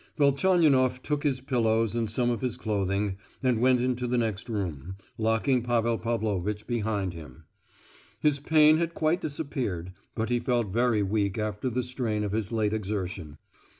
Velchaninoff took his pillows and some of his clothing, and went into the next room, locking Pavel Pavlovitch behind him. His pain had quite disappeared, but he felt very weak after the strain of his late exertion.